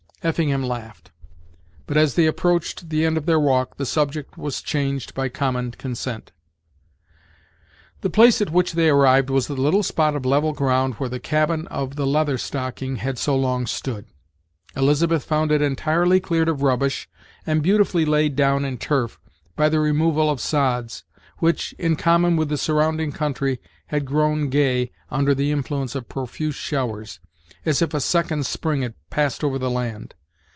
Effingham laughed; but, as they approached the end of their walk, the subject was changed by common consent. The place at which they arrived was the little spot of level ground where the cabin of the Leather Stocking had so long stood. Elizabeth found it entirely cleared of rubbish, and beautifully laid down in turf, by the removal of sods, which, in common with the surrounding country, had grown gay, under the influence of profuse showers, as if a second spring had passed over the land.